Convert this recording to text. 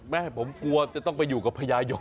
แม่ผมกลัวจะต้องไปอยู่กับพระยายก